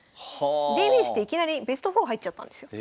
デビューしていきなりベスト４入っちゃったんですよ。